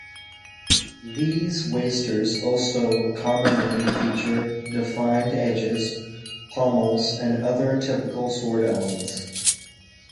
These wasters also commonly feature defined edges, pommels, and other typical sword elements.